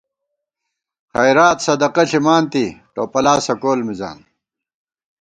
خَیرات صدَقہ ݪِمانتی ، ٹوپَلاسہ کول مِزان